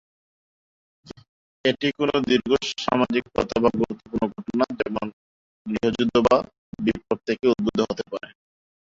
এটি কোন দীর্ঘ সামাজিক প্রথা বা গুরুত্বপূর্ণ ঘটনা, যেমন গৃহযুদ্ধ বা বিপ্লব থেকে উদ্ভূত হতে পারে।